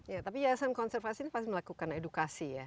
ya tapi yayasan konservasi ini pasti melakukan edukasi ya